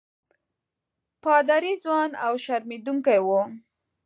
پادري ځوان او شرمېدونکی وو.